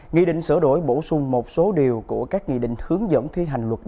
nghị định sửa đổi bổ sung một số điều của các nghị định hướng dẫn thi hành luật